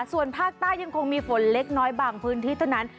ส่วนภาคใต้ยังคงมีฝนเล็กน้อยบางพื้นที่เท่านั้น